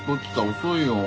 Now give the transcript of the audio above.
遅いよ。